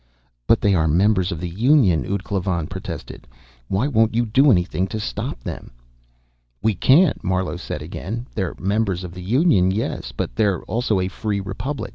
"But they are members of the Union!" ud Klavan protested. "Why won't you do anything to stop them?" "We can't," Marlowe said again. "They're members of the Union, yes, but they're also a free republic.